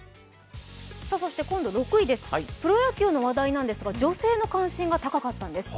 ６位です、プロ野球の話題なんですが女性の関心が高かったんです。